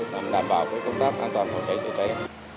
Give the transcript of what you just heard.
nhằm đảm bảo công tác an toàn phòng cháy chữa cháy